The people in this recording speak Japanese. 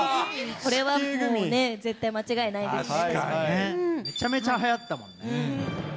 これはもうね、絶対間違いないですね。